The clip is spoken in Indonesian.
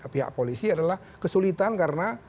pihak polisi adalah kesulitan karena